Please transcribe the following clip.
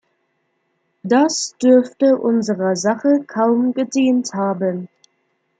Das dürfte unserer Sache kaum gedient haben.